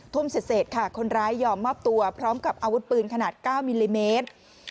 ทุ่มเสร็จค่ะคนร้ายยอมมอบตัวพร้อมกับอาวุธปืนขนาด๙มิลลิเมตร